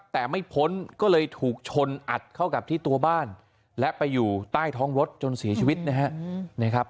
แต่ไม่พ้นก็เลยถูกชนอัดเข้ากับที่ตัวบ้านและไปอยู่ใต้ท้องรถจนเสียชีวิตนะครับ